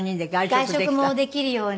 外食もできるように。